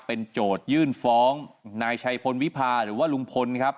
เป็นโจทยื่นฟ้องนายชัยพลวิพาหรือว่าลุงพลครับ